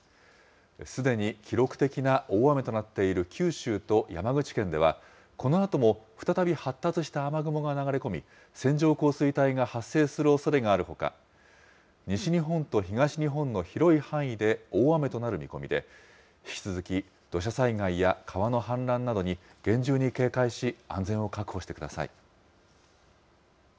すでに記録的な大雨となっている九州と山口県では、このあとも再び発達した雨雲が流れ込み、線状降水帯が発生するおそれがあるほか、西日本と東日本の広い範囲で大雨となる見込みで、引き続き、土砂災害や川の氾濫などに厳重に警戒し、安全を確保してください。